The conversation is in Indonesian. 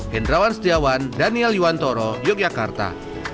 hendrawan setiawan daniel yuwantoro yogyakarta